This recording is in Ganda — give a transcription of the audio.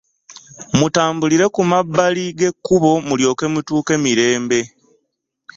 Mutambulire ku mabbali g'e kkubo mulyoke mutuuke mirembe.